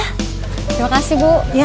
terima kasih bu